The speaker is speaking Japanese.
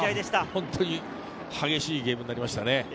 本当に激しいゲームになりましたね。